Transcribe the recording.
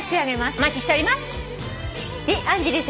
お待ちしております。